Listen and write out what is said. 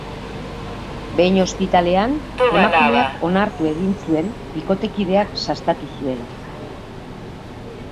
Behin ospitalean, emakumeak onartu egin zuen bikotekideak sastatu zuela.